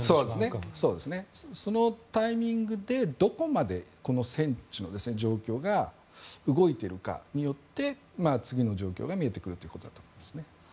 そのタイミングでどこまでこの戦地の状況が動いているかによって次の状況が見えてくるということだと思いますね。